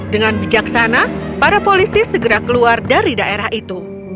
dengan bijaksana para polisi segera keluar dari daerah itu